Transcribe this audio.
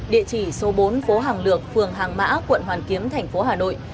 địa chỉ số bốn phố hàng lược phường hàng mã quận hoàn kiếm thành phố hà nội